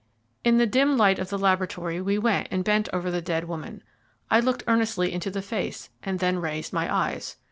In the dim light of the laboratory we went and bent over the dead woman. I looked earnestly into the face, and then raised my eyes.